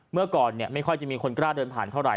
เมื่อก่อนไม่ค่อยจะมีคนกล้าเดินผ่านเท่าไห